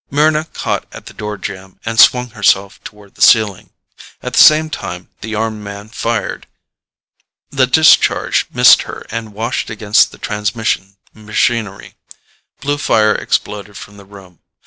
Mryna caught at the door jamb and swung herself toward the ceiling. At the same time the armed man fired. The discharge missed her and washed against the transmission machinery. Blue fire exploded from the room.